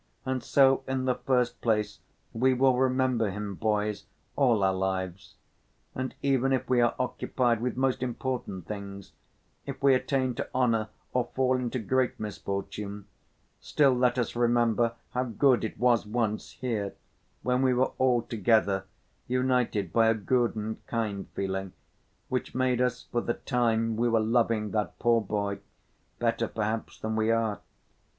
And so in the first place, we will remember him, boys, all our lives. And even if we are occupied with most important things, if we attain to honor or fall into great misfortune—still let us remember how good it was once here, when we were all together, united by a good and kind feeling which made us, for the time we were loving that poor boy, better perhaps than we are.